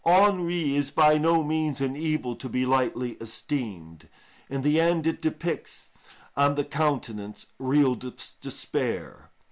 Ennui is by no means an evil to be lightly esteemed; in the end it depicts on the countenance real despair.